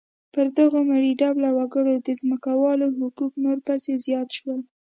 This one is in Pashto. پر دغو مري ډوله وګړو د ځمکوالو حقوق نور پسې زیات شول.